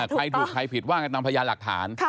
ใครถูกใครผิดว่ากันตามพยานหลักฐาน